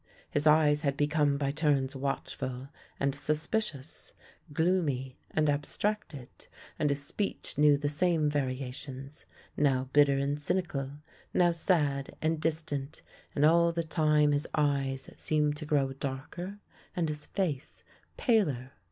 His eyes had become by turns watchful and suspicious, gloomy and abstracted; and his speech THE LANE THAT HAD NO TURNING 35 knew the same variations; now bitter and cynical, now sad and distant, and all the time his eyes seemed to grow darker and his face paler.